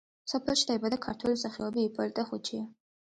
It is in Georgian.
სოფელში დაიბადა ქართველი მსახიობი იპოლიტე ხვიჩია.